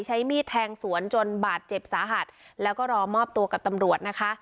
ใช้มีดแทงสวนจนบาดเจ็บสาหัสแล้วก็รอมอบตัวกับตำรวจนะคะ